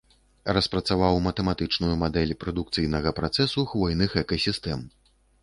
Распрацаваў матэматычную мадэль прадукцыйнага працэсу хвойных экасістэм.